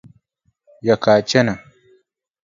Ya ka a chana?